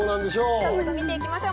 早速見ていきましょう。